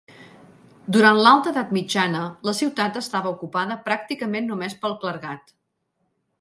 Durant l'alta edat mitjana, la ciutat estava ocupada pràcticament només pel clergat.